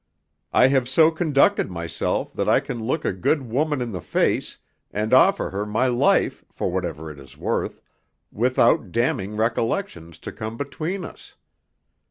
I have so conducted myself that I can look a good woman in the face, and offer her my life, for whatever it is worth, without damning recollections to come between us.